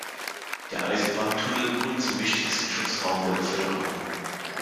Der Eisenbahntunnel wurde zum wichtigsten Schutzraum der Bevölkerung.